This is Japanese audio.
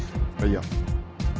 いや。